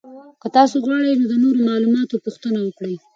که تاسو غواړئ نو د نورو معلوماتو پوښتنه وکړئ.